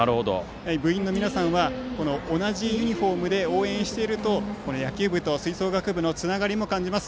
部員の皆さんは同じユニフォームで応援していると野球部と吹奏楽部のつながりを感じます。